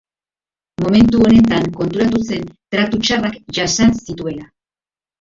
Momentu honetan konturatu zen tratu txarrak jasan zituela.